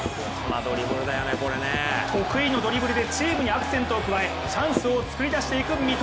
得意のドリブルでチームにアクセントを加えチャンスをつくりだしていく三笘。